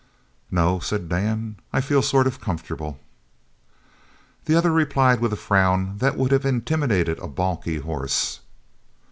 "No, said Dan," "I feel sort of comfortable." The other replied with a frown that would have intimidated a balky horse.